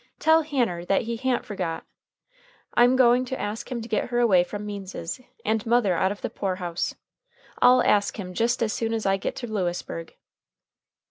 Tell Hanner that He ha'n't forgot. I'm going to ask him to git her away from Means's and mother out of the poor house. I'll ask him just as soon as I get to Lewisburg."